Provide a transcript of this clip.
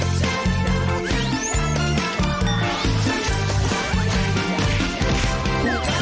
สวัสดีครับ